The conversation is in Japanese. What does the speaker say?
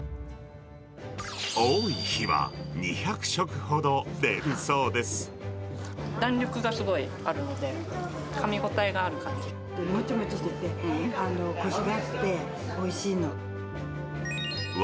多い日は２００食ほど出るそうで弾力がすごいあるので、もちもちしててこしがあっておいしいの。わ